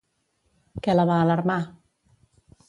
Què la va alarmar?